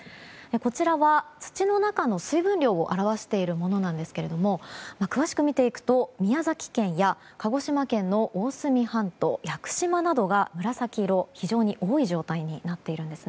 こちらは、土の中の水分量を表しているものなんですが詳しく見ていくと宮崎県や鹿児島県の大隅半島屋久島などが紫色で非常に多い状態です。